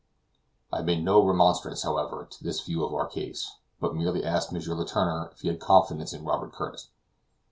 I made no remonstrance, however, to this view of our case, but merely asked M. Letourneur if he had confidence in Robert Curtis?